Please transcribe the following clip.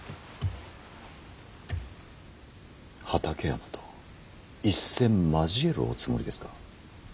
畠山と一戦交えるおつもりですか。